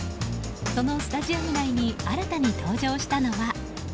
そのスタジアム内に新たに登場したのは。